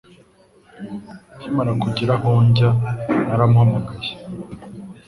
Nkimara kugera aho njya, naramuhamagaye.